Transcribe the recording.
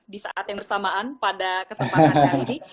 di saat yang bersamaan pada kesempatan kali ini